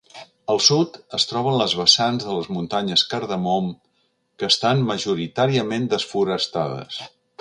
Al sud es troben les vessants de les muntanyes Cardamom, que estan majoritàriament desforestades.